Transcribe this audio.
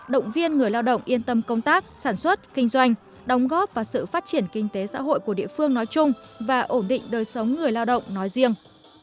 động viên người lao động yên tâm công tác sản xuất kinh doanh đóng góp vào sự phát triển kinh tế xã hội của địa phương nói chung và ổn định đời sống người lao động nói riêng